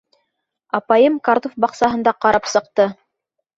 Апайым картуф баҡсаһын да ҡарап сыҡты.